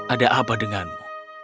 ada apa denganmu